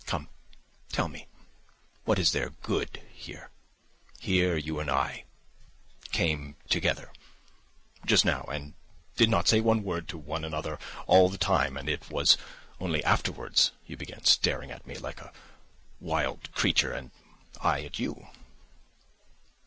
Come, tell me, what is there good here? Here you and I ... came together ... just now and did not say one word to one another all the time, and it was only afterwards you began staring at me like a wild creature, and I at you.